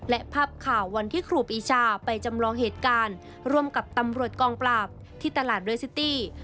และภาพข่าววันที่ครูปีชาไปจำลองเหตุการณ์ร่วมกับตำรวจกองปราบที่ตลาดเรซิตี้